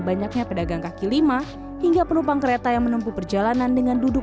banyaknya pedagang kaki lima hingga penumpang kereta yang menempuh perjalanan dengan duduk